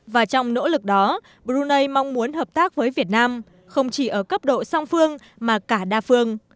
và trong nỗ lực đó brunei mong muốn hợp tác với việt nam không chỉ ở cấp độ song phương mà cả đa phương